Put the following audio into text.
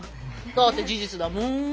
だって事実だもん。